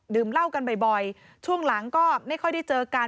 เหล้ากันบ่อยช่วงหลังก็ไม่ค่อยได้เจอกัน